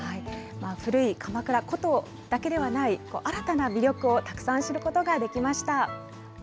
古い鎌倉、古都だけではない新たな魅力をたくさん知ることができ